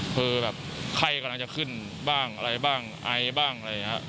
คือแบบไข้กำลังจะขึ้นบ้างอะไรบ้างไอบ้างอะไรอย่างนี้